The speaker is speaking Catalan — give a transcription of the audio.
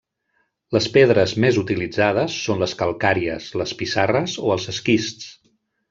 Les pedres més utilitzades són les calcàries, les pissarres o els esquists.